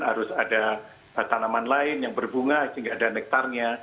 harus ada tanaman lain yang berbunga sehingga ada nektarnya